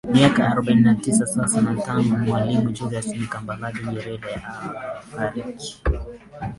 miaka arobaini na tisa sasa tangu mwalimu julius kambarage nyerere akabi